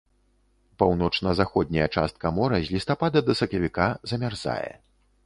Паўночна-заходняя частка мора з лістапада да сакавіка замярзае.